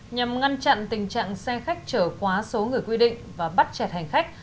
nhằm ngăn chặn tình trạng xe khách trở quá số người quy định và bắt chẹt hành khách